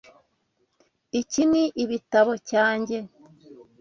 Iki ni ibitabo cyanjye.